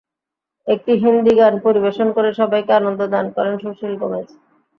একটি হিন্দি গান পরিবেশন করে সবাইকে আনন্দ দান করেন সুশীল গোমেজ।